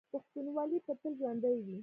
پښتونولي به تل ژوندي وي.